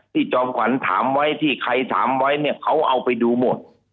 จอมขวัญถามไว้ที่ใครถามไว้เนี่ยเขาเอาไปดูหมด